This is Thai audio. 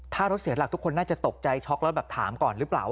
ถ้ารถเสียหลักทุกคนน่าจะตกใจช็อกแล้วแบบถามก่อนหรือเปล่า